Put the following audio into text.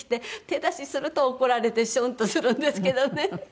手出しすると怒られてシュンとするんですけどね。